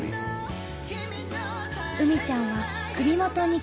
うみちゃんは首元に呼吸器。